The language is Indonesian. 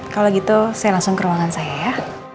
kalau gitu saya langsung ke ruangan saya ya